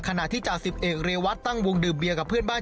ขณะที่จ่าสิบเอกเรวัตตั้งวงดื่มเบียกับเพื่อนบ้าน